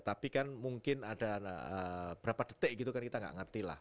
tapi kan mungkin ada berapa detik gitu kan kita nggak ngerti lah